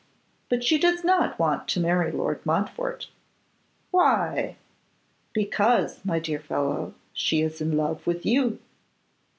But she does not want to marry Lord Montfort.' 'Why?' 'Because, my dear fellow, she is in love with you.